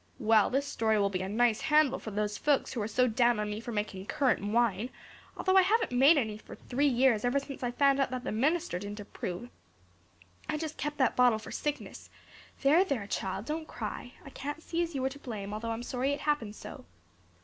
Well, this story will be a nice handle for those folks who are so down on me for making currant wine, although I haven't made any for three years ever since I found out that the minister didn't approve. I just kept that bottle for sickness. There, there, child, don't cry. I can't see as you were to blame although I'm sorry it happened so."